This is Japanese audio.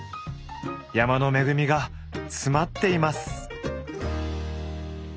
山の恵みが詰まっています。